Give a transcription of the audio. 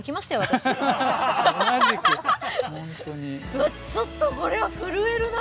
うわっちょっとこれは震えるな。